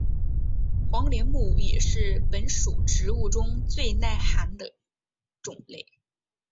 黄连木也是本属植物中最耐寒的种类。